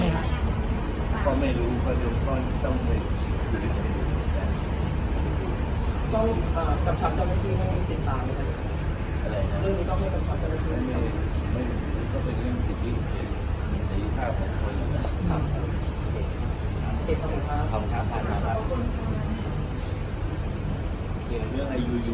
ไม่รู้